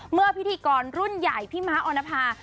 พิธีกรรุ่นใหญ่พี่ม้าออนภา